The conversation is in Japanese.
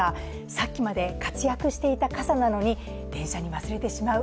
さっきまで活躍していた傘なのに電車に忘れてしまう。